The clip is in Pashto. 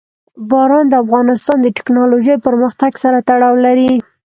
باران د افغانستان د تکنالوژۍ پرمختګ سره تړاو لري.